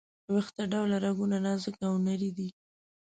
ویښته ډوله رګونه نازکه او نري دي.